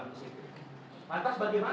apakah hanya dari pemerintahan